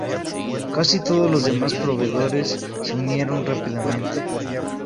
Casi todos los demás proveedores se unieron rápidamente.